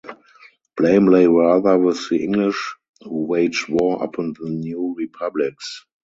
Blame lay rather with the English who waged war upon the new republics.